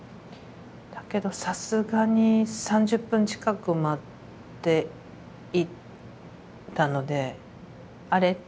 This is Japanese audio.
だけどさすがに３０分近く待っていたので「あれ？」